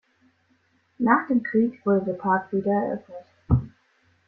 Nach dem Krieg wurde der Park wieder eröffnet.